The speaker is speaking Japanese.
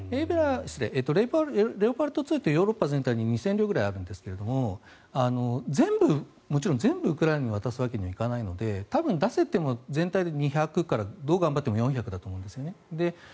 レオパルト２ってヨーロッパ全体に２０００両ぐらいあるんですが全部ウクライナに渡すわけにはいかないので多分、出せても全体で２００からどう頑張っても４００だと思います。